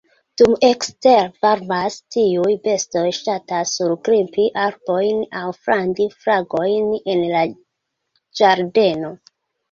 Dum ekstere varmas, tiuj bestoj ŝatas surgrimpi arbojn aŭ frandi fragojn en la ĝardeno.